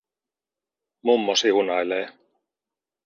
Mummo siunailee.